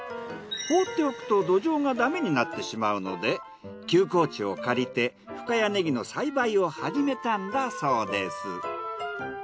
放っておくと土壌がだめになってしまうので休耕地を借りて深谷ねぎの栽培を始めたんだそうです。